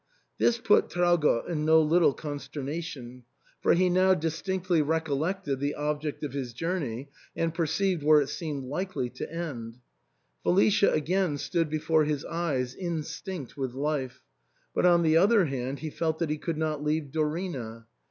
This put Traugott in no little consternation : for he now distinctly recol lected the object of his journey, and perceived where it seemed likely to end. Felicia again stood before his eyes instinct with life ; but, on the other hand, he felt that he could not leave Dorina.